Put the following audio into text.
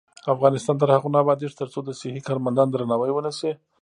افغانستان تر هغو نه ابادیږي، ترڅو د صحي کارمندانو درناوی ونشي.